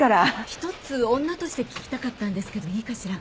１つ女として聞きたかったんですけどいいかしら？